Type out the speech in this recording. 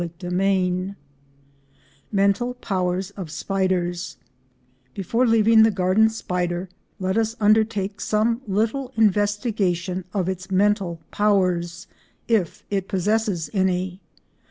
CHAPTER IV MENTAL POWERS OF SPIDERS Before leaving the garden spider let us undertake some little investigation of its mental powers—if it possesses any.